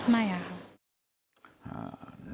ไม่อ่ะครับ